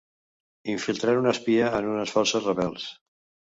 Infiltrar un espia en les forces rebels.